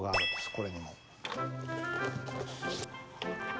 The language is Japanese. これにも。